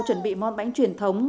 chuẩn bị món bánh truyền thống